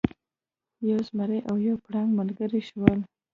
یو زمری او یو پړانګ ملګري شول.